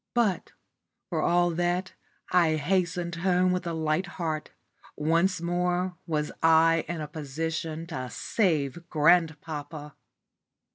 But, for all that, I hastened home with a light heart. Once more was I in a position to save grandpapa.